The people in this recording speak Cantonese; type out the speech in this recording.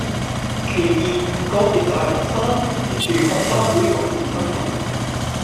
其二，個別大學生挾着學生會幹事身分